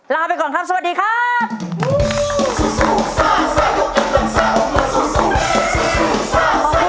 ลาไปก่อนครับสวัสดีครับ